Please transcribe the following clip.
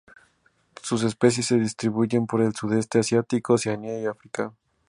Sus especies se distribuyen por el Sudeste Asiático, Oceanía y África.